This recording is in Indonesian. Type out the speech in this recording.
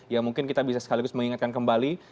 ya mungkin kita bisa sekaligus mengingatkan kembali